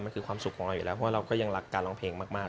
มันคือความสุขของเราอยู่แล้วเพราะเราก็ยังรักการร้องเพลงมาก